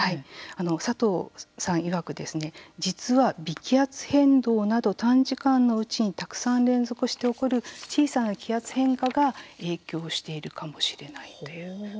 佐藤さんいわくですね、実は微気圧変動など短時間のうちにたくさん連続して起こる小さな気圧変化が影響しているかもしれないということなんです。